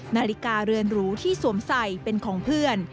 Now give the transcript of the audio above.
นาฬิกาเรือนหรูที่สวมใส่เป็นของเพื่อน